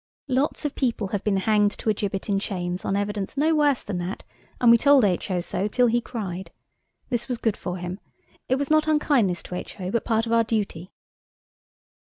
Lots of people have been hanged to a gibbet in chains on evidence no worse than that, and we told H.O. so till he cried. This was good for him. It was not unkindness to H.O., but part of our duty.